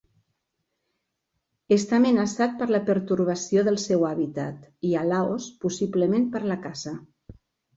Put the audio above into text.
Està amenaçat per la pertorbació del seu hàbitat i, a Laos, possiblement per la caça.